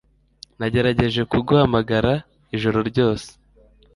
Nagerageje kuguhamagara ijoro ryose.